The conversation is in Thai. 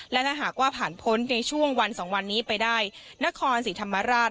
และถ้าหากว่าผ่านพ้นในช่วงวัน๒วันนี้ไปได้นครศรีธรรมราช